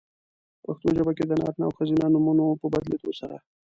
پښتو ژبه کې د نارینه او ښځینه نومونو په بدلېدو سره؛